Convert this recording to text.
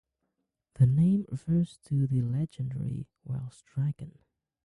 The name refers to the legendary Welsh Dragon.